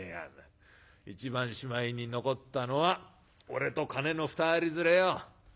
一番しまいに残ったのは俺と金の２人連れよ。